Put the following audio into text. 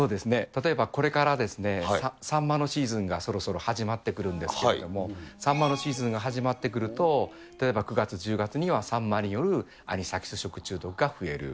例えばこれから、サンマのシーズンがそろそろ始まってくるんですけれども、サンマのシーズンが始まってくると、例えば９月、１０月にはサンマによるアニサキス食中毒が増える。